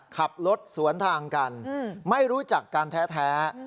ขับรถสวนทางกันอืมไม่รู้จักการแท้อืม